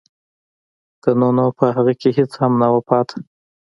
که نه نو په هغه کې هېڅ هم نه وو پاتې